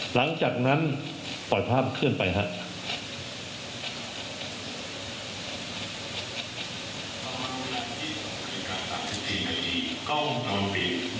หลังจากนั้นปล่อยภาพเคลื่อนไปครับ